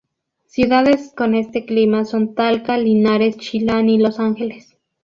Ciudades con este clima son Talca, Linares, Chillán y Los Ángeles..